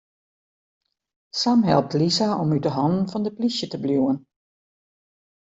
Sam helpt Lisa om út 'e hannen fan de polysje te bliuwen.